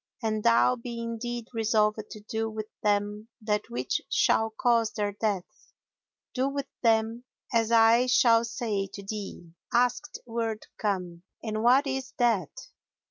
An thou be indeed resolved to do with them that which shall cause their death, do with them as I shall say to thee." Asked Wird Khan, "And what is that?"